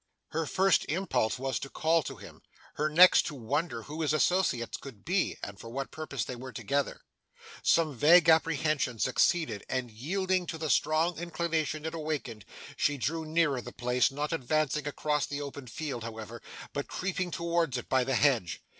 Her first impulse was to call to him; her next to wonder who his associates could be, and for what purpose they were together. Some vague apprehension succeeded, and, yielding to the strong inclination it awakened, she drew nearer to the place; not advancing across the open field, however, but creeping towards it by the hedge.